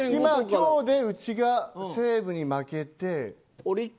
今日でうちが西武に負けてオリッ